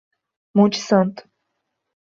Monte Santo